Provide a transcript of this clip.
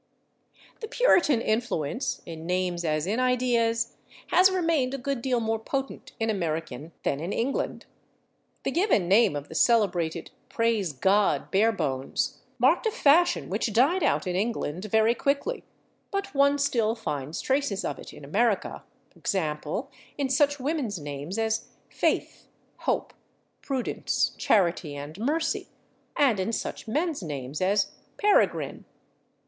The Puritan influence, in names as in ideas, has remained a good deal more potent in American than in England. The given name of the celebrated /Praise God/ Barebones marked a fashion which died out in England very quickly, but one still finds traces of it in America, /e. g./, in such women's names as /Faith/, /Hope/, /Prudence/, /Charity/ and /Mercy/, and in such men's names as /Peregrine